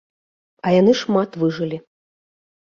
А яны шмат выжылі.